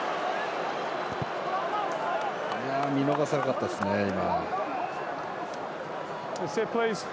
見逃さなかったですね、今。